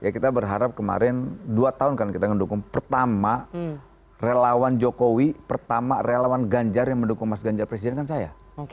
kita berharap kemarin dua tahun kan kita mendukung pertama relawan jokowi pertama relawan ganjar yang mendukung mas ganjar presiden kan saya